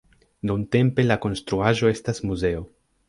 Nuntempe la konstruaĵo estas muzeo.